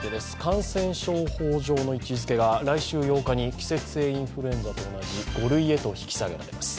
感染症法上の位置づけが来週８日から季節性インフルエンザと同じ５類へと引き下げられます。